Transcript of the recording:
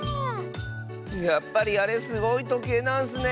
やっぱりあれすごいとけいなんスね。